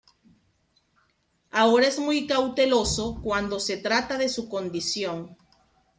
Ahora es muy cauteloso cuando se trata de su condición.